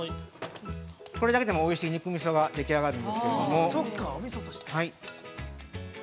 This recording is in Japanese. これだけでもおいしい肉みそが出来上がるんですけれども。